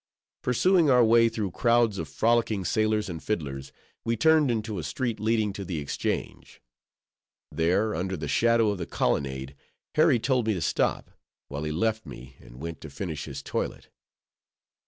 Pursuing our way through crowds of frolicking sailors and fiddlers, we turned into a street leading to the Exchange. There, under the shadow of the colonnade, Harry told me to stop, while he left me, and went to finish his toilet.